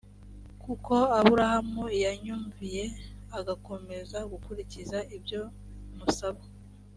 kuko aburahamu yanyumviye agakomeza gukurikiza ibyo musaba